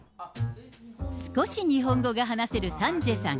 少し日本語が話せるサンジェさん。